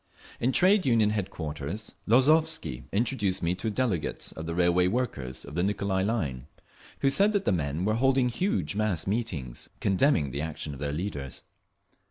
In Trade Union headquarters Lozovsky introduced me to a delegate of the Railway Workers of the Nicolai line, who said that the men were holding huge mass meetings, condemning the action of their leaders.